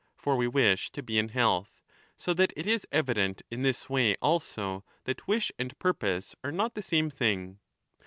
For we wish to be in health. So that it is evident in this way also that wish and purpose are not the same thing.